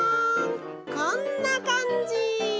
こんなかんじ！